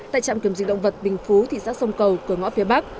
tại trạm kiểm dịch động vật bình phú thị xã sông cầu cửa ngõ phía bắc